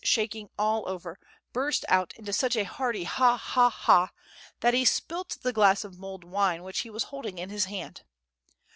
shaking all over, burst out into such a hearty "ha, ha, ha!" that he spilt the glass of mulled wine which he was holding in his hand.